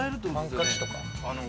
・ハンカチとか？